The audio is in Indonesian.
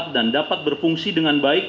dan dapat berfungsi dengan baik